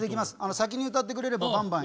先に歌ってくれればバンバン。